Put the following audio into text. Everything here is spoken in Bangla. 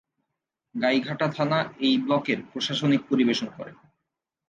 গাইঘাটা থানা এই ব্লকের প্রশাসনিক পরিবেশন করে।